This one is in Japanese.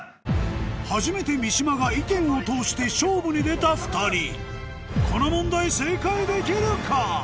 初めて三島が意見を通して勝負に出た２人この問題正解できるか？